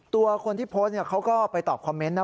ตัวคนที่โพสต์เขาก็ไปตอบคอมเมนต์นะ